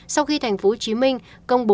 sau khi tp hcm công bố